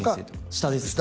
下です